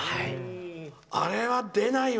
あれは出ないわ。